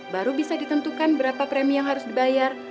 baru bisa ditentukan berapa premi yang harus dibayar